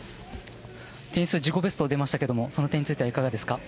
点数自己ベスト出ましたけどもその点についてはいかがですか？